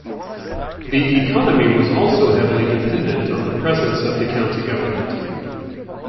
The economy was also heavily dependent on the presence of the county government.